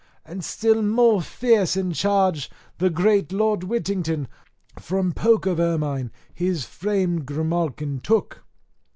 And still more fierce in charge the great Lord Whittington, from poke of ermine his famed Grimalkin took.